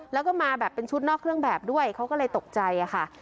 แล้วก็มาแบบเป็นชุดนอกเครื่องแบบด้วยเขาก็เลยตกใจค่ะ